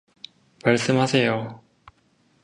말씀하세요.